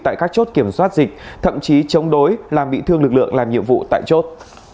tại các chốt kiểm soát dịch thậm chí chống đối làm bị thương lực lượng làm nhiệm vụ tại chốt